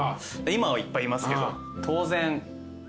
今はいっぱいいますけど。